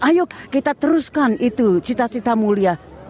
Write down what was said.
ayo kita teruskan itu cita cita mulia